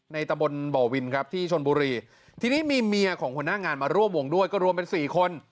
ตะบนบ่อวินครับที่ชนบุรีทีนี้มีเมียของหัวหน้างานมาร่วมวงด้วยก็รวมเป็นสี่คน